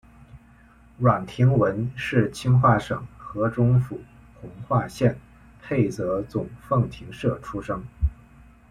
阮廷闻是清化省河中府弘化县沛泽总凤亭社出生。